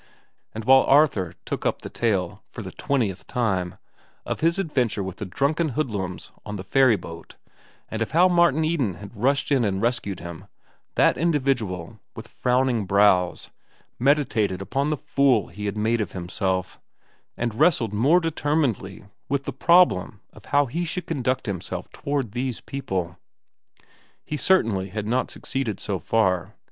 And while Arthur took up the tale, for the twentieth time, of his adventure with the drunken hoodlums on the ferry boat and of how Martin Eden had rushed in and rescued him, that individual, with frowning brows, meditated upon the fool he had made of himself, and wrestled more determinedly with the problem of how he should conduct himself toward these people. He certainly had not succeeded so far.